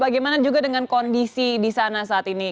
bagaimana juga dengan kondisi di sana saat ini